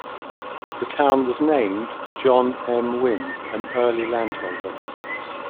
The town was named for John M. Winn, an early landholder.